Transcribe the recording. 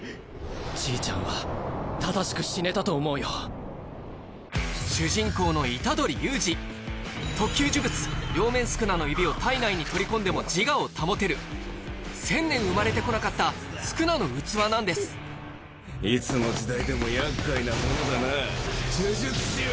じいちゃんは主人公の虎杖悠仁特級呪物両面宿儺の指を体内に取り込んでも自我を保てる１０００年生まれてこなかったいつの時代でも厄介なものだな呪術師は！